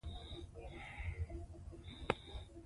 ښوونه او روزنه د ټولنیزو شبکو جوړولو ته وده ورکوي.